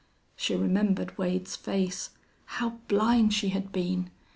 She remembered Wade's face. How blind she had been!